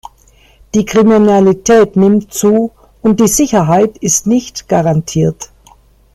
Die Kriminalität nimmt zu, und die Sicherheit ist nicht garantiert.